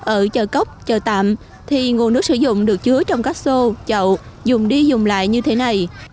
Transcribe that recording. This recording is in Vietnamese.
ở chợ cóc chợ tạm thì nguồn nước sử dụng được chứa trong các xô chậu dùng đi dùng lại như thế này